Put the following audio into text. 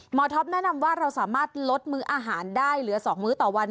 ท็อปแนะนำว่าเราสามารถลดมื้ออาหารได้เหลือ๒มื้อต่อวัน